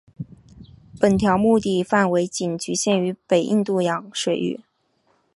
本条目的范围仅局限于北印度洋水域。